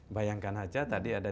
bayangkan aja tadi ada